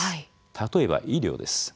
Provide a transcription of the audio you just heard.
例えば医療です。